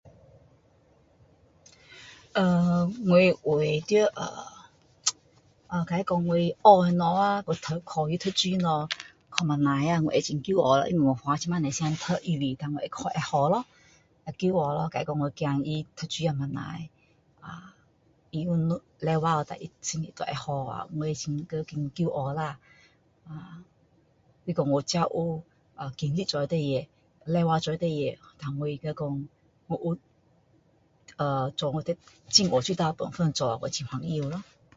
呃我为着呃假如说我学的东西啊哦考试读书很厉害我会很骄傲因为我花那么多时间读胆我会考会好咯会觉得骄傲我孩子是他有努力胆成绩也会好啊我是觉得很骄傲啦还是说我自己有尽力做的事情努力做的事情还是说我有呃尽我最大本分做我会很高兴咯